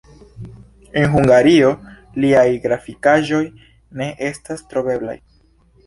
En Hungario liaj grafikaĵoj ne estas troveblaj.